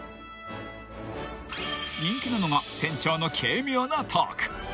［人気なのが船長の軽妙なトーク］